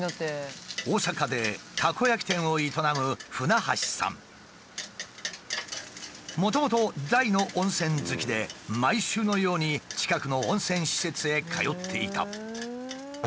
大阪でたこ焼き店を営むもともと大の温泉好きで毎週のように近くの温泉施設へ通っていた。